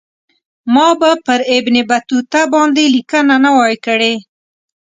ما به پر ابن بطوطه باندې لیکنه نه وای کړې.